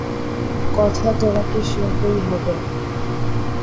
কথা তোমাকে শুনতেই হবে!